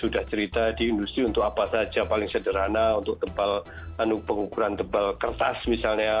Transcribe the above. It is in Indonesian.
sudah cerita di industri untuk apa saja paling sederhana untuk tebal pengukuran tebal kertas misalnya